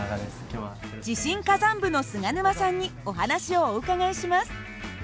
地震火山部の菅沼さんにお話をお伺いします。